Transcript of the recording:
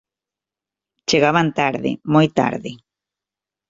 Chegaban tarde, moi tarde.